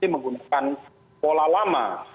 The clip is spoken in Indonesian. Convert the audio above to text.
menggunakan pola lama